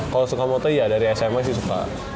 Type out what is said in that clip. kalo suka moto ya dari sma sih suka